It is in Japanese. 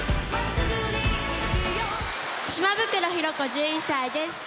島袋寛子１１歳です。